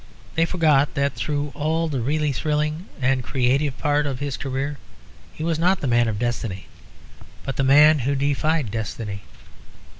They forgot that through all the really thrilling and creative part of his career he was not the man of destiny, but the man who defied destiny.